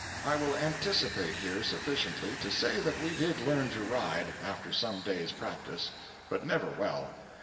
I will anticipate here sufficiently to say that we did learn to ride, after some days' practice, but never well.